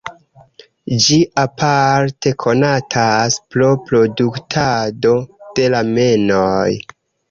Ĝi aparte konatas pro produktado de ramenoj.